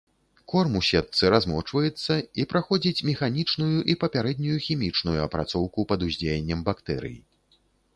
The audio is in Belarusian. Корм у сетцы размочваецца і праходзіць механічную і папярэднюю хімічную апрацоўку пад уздзеяннем бактэрый.